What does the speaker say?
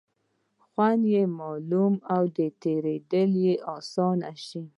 خوند یې معلوم او تېرېدل یې آسانه شي.